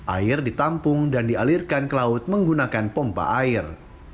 air ditampung dan dialirkan ke laut menggunakan pompa air